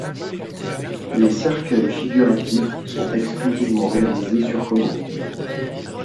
Les cercueils figuratifs sont exclusivement réalisés sur commande.